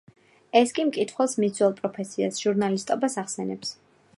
ეს კი მკითხველს მის ძველ პროფესიას – ჟურნალისტობას ახსენებს.